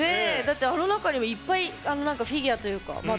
あの中にいっぱいフィギュアというか。